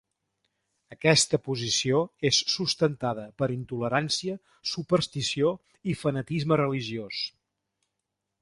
Aquesta posició és sustentada per intolerància, superstició i fanatisme religiós.